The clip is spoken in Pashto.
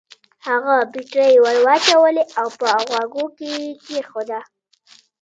هغه بېټرۍ ور واچولې او په غوږو کې يې کېښوده.